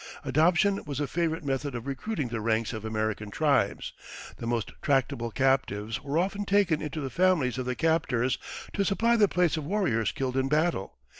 Adoption was a favorite method of recruiting the ranks of American tribes. The most tractable captives were often taken into the families of the captors to supply the place of warriors killed in battle.